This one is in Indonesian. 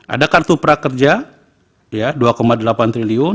ada kartu prakerja rp dua delapan triliun